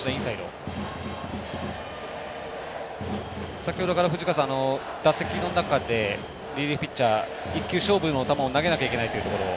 先ほどから、藤川さん打席の中でリリーフピッチャー１球、勝負の球を投げなくてはいけないと。